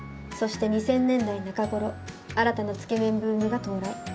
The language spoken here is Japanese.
そして２０００年代中頃新たなつけ麺ブームが到来。